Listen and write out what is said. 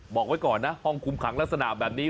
บอกไว้ก่อนนะห้องคุมขังลักษณะแบบนี้